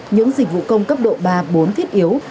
những dịch vụ công cấp độ ba bốn thiết yếu